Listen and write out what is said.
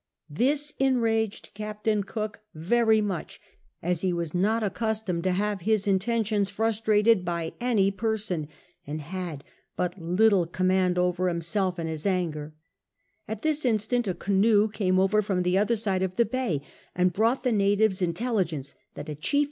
This enraged Captain Cook very much, as he wtis not accu.s tomed to have his intentions frustrated by any pereon, and hml but little command over himself in his anger ; at this instiint a canoe came over from the other si«le of the hay, and brought tlm natives intelligence that Ji rhief wa.